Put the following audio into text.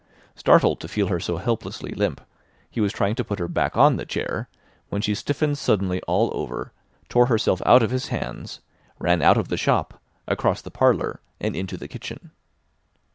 Startled to feel her so helplessly limp, he was trying to put her back on the chair when she stiffened suddenly all over, tore herself out of his hands, ran out of the shop, across the parlour, and into the kitchen.